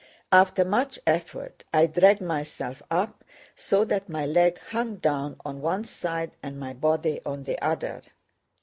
After much effort I dragged myself up, so that my leg hung down on one side and my body on the other.